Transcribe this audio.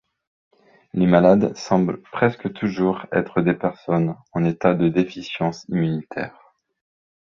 Les malades semblent presque toujours être des personnes en état de déficience immunitaire.